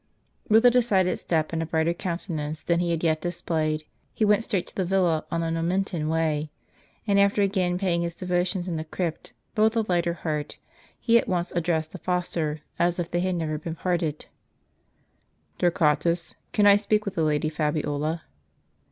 With a decided step and a brighter countenance than he had yet displayed, he went straight to the villa on the Nomentan way ; and after again paying his devotions in the crypt, but with a lighter heart, he at once addressed the fossor, as if they had never been parted :" Torquatus, can I speak with the Lady Fabiola?